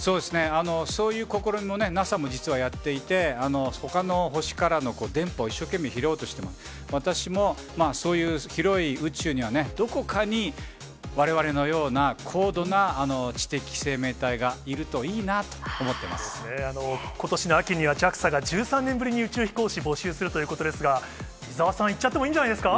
そういう試みもね、ＮＡＳＡも実はやっていて、ほかの星からの電波を一生懸命拾おうとしてます、私もそういう広い宇宙にはね、どこかにわれわれのような高度な知的生命体がいるといいなと思っそうですね、ことしの秋にはＪＡＸＡが１３年ぶりに宇宙飛行士募集するということですが、伊沢さん、行っちゃってもいいんじゃないんですか？